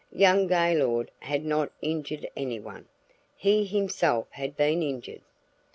Young Gaylord had not injured anyone; he himself had been injured.